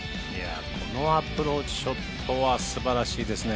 このアプローチショットは素晴らしいですね。